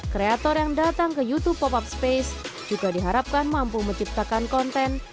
kreator yang datang ke youtube pop up space juga diharapkan mampu menciptakan konten